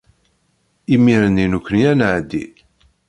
Imir-nni nekwni ad nɛeddi.